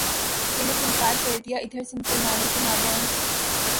دینے سے انکار کر دیا ادھر سے مسلمانوں کے مابین